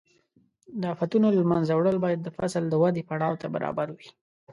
د آفتونو له منځه وړل باید د فصل د ودې پړاو ته برابر وي.